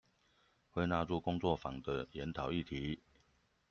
會納入工作坊的研討議題